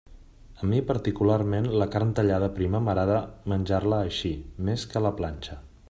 A mi particularment la carn tallada prima m'agrada menjar-la així, més que a la planxa.